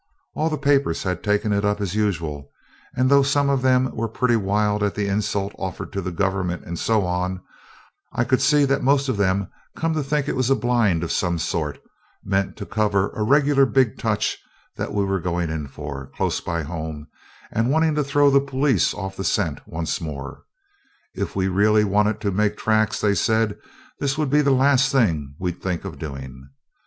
All the papers had taken it up as usual, and though some of them were pretty wild at the insult offered to the Government and so on, I could see they'd most of them come to think it was a blind of some sort, meant to cover a regular big touch that we were going in for, close by home, and wanting to throw the police off the scent once more. If we'd really wanted to make tracks, they said, this would be the last thing we'd think of doing.